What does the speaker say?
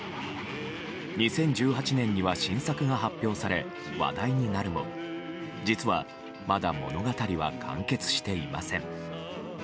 ２０１８年には新作が発表され話題になるも実はまだ物語は完結していません。